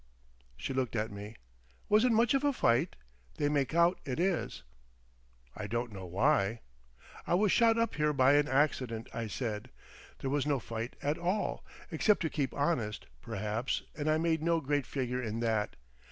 _" She looked at me. "Was it much of a fight? They make out it is." "I don't know why." "I was shot up here by an accident," I said. "There was no fight at all. Except to keep honest, perhaps and I made no great figure in that.